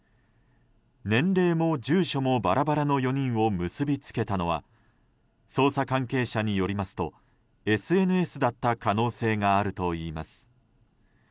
年齢も住所もバラバラの４人を結びつけたのは捜査関係者によりますとＳＮＳだった可能性があるといいます。